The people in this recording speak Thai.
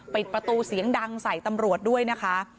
ปิดประตูเสียงดังใส่ตำรวจด้วยนะคะ